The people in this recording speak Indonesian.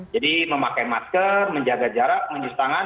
jadi memakai masker menjaga jarak menjus tangan